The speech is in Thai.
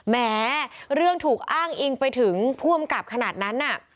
แม้เรื่องถูกอ้างอิงไปถึงผู้อำกับขนาดนั้นน่ะ